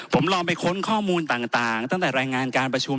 ผมลองไปค้นข้อมูลต่างตั้งแต่รายงานการประชุม